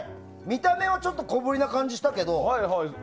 見た目はちょっと小ぶりな感じがしたけど。